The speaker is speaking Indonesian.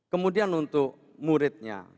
kemudian untuk muridnya